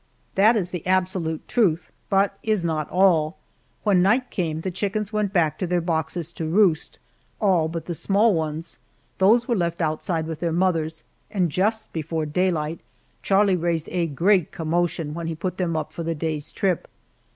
That is the absolute truth, but is not all. When night came the chickens went back to their boxes to roost all but the small ones. Those were left outside with their mothers, and just before daylight Charlie raised a great commotion when he put them up for the day's trip.